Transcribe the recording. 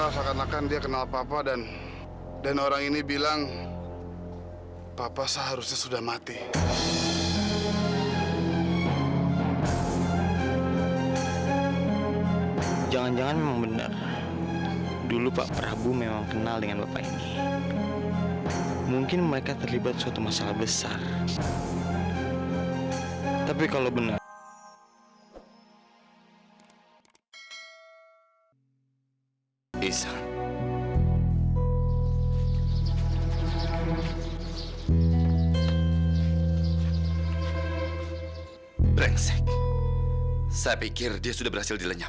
sampai jumpa di video selanjutnya